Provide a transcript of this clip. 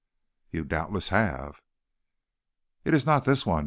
"'You doubtless have.' "'It is not this one?'